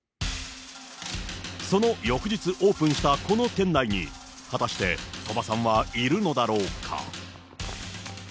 その翌日オープンしたこの店内に、果たして、鳥羽さんはいるのだろうか。